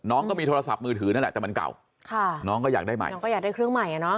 น้องก็มีโทรศัพท์มือถือนั่นแหละแต่มันเก่าน้องก็อยากได้ใหม่